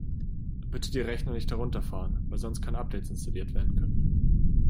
Bitte die Rechner nicht herunterfahren, weil sonst keine Updates installiert werden können!